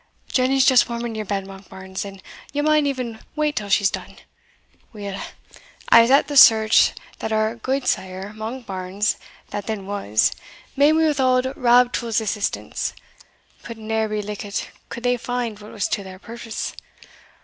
"Jenny's just warming your bed, Monkbarns, and ye maun e'en wait till she's done. Weel, I was at the search that our gudesire, Monkbarns that then was, made wi' auld Rab Tull's assistance; but ne'er be licket could they find that was to their purpose.